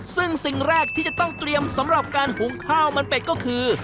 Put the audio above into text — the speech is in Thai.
ซึ่งสิ่งแรกที่จะต้องเตรียมสำหรับการหุงข้าวมันเป็ดก็คือ